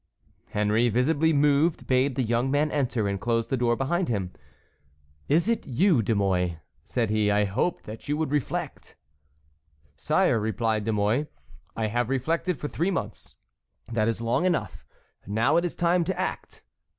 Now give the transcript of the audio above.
Henry, visibly moved, bade the young man enter and closed the door behind him. "Is it you, De Mouy?" said he; "I hoped that you would reflect." "Sire," replied De Mouy, "I have reflected for three months; that is long enough. Now it is time to act."